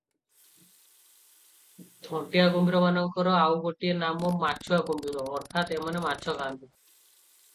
ଥଣ୍ଟିଆକୁମ୍ଭୀର ମାନଙ୍କର ଆଉ ଗୋଟିଏ ନାମ ମାଛୁଆ କୁମ୍ଭୀର, ଅର୍ଥାତ୍ ଏମାନେ ମାଛଖାଆନ୍ତି ।